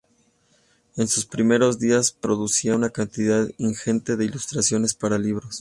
En sus primeros días producía una cantidad ingente de ilustraciones para libros.